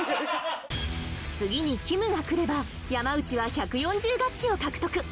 次にきむが来れば山内は１４０ガッチを獲得